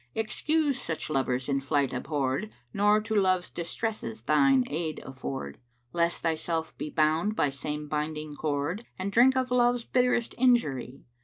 Excuse such lovers in flight abhorr'd * Nor to Love's distreses thine aid afford: Lest thy self be bound by same binding cord * And drink of Love's bitterest injury.